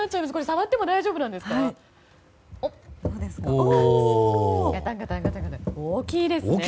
触っても大丈夫なんですか。